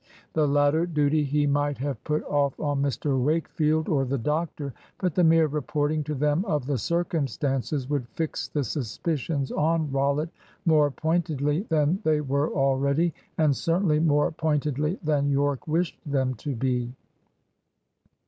The latter duty he might have put off on Mr Wakefield or the doctor. But the mere reporting to them of the circumstances would fix the suspicions on Rollitt more pointedly than they were already, and certainly more pointedly than Yorke wished them to be.